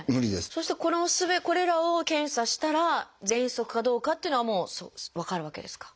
そしてこれらを検査したらぜんそくかどうかっていうのはもう分かるわけですか？